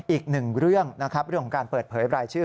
อีกหนึ่งเรื่องนะครับเรื่องของการเปิดเผยรายชื่อ